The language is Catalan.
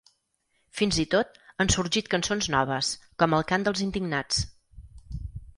Fins i tot, han sorgit cançons noves, com El cant dels indignats.